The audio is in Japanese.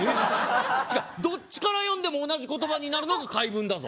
違うどっちから読んでも同じ言葉になるのが回文だぞ。